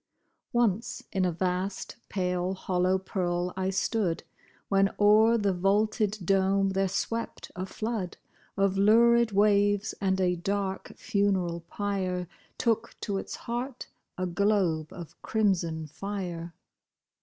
Once in a vast, pale, hollow pearl I stood, When o'er the vaulted dome there swept a flood Of lurid waves, and a dark funeral pyre Took to its heart a globe of crimson fire.